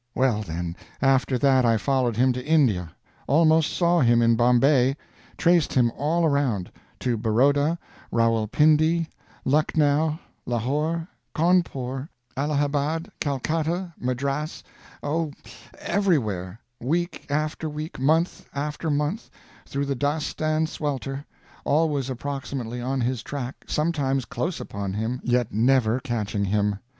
Well, then, after that I followed him to India; almost saw him in Bombay; traced him all around to Baroda, Rawal Pindi, Lucknow, Lahore, Cawnpore, Allahabad, Calcutta, Madras oh, everywhere; week after week, month after month, through the dust and swelter always approximately on his track, sometimes close upon him, yet never catching him.